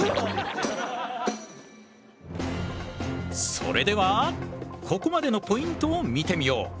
それではここまでのポイントを見てみよう。